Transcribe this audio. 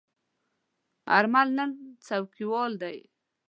آرمل نن څوکیوال دی.